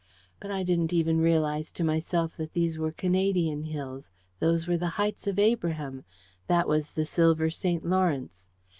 But I didn't even realise to myself that these were Canadian hills those were the heights of Abraham that was the silver St. Lawrence.